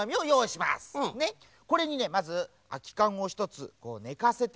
ねっこれにねまずあきかんを１つこうねかせてね